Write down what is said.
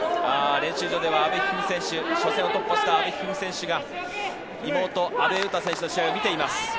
練習場では阿部一二三選手初戦を突破した阿部一二三選手が妹・阿部詩選手の試合を見ています。